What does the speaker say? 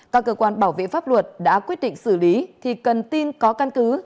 các cơ quan bảo vệ pháp luật đã quyết định xử lý thì cần tin có căn cứ